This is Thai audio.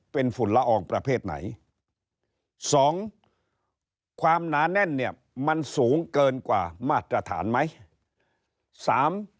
เป็นฝุ่นละอองประเภทไหน๒ความหนาแน่นเนี่ยมันสูงเกินกว่ามาตรฐานไหม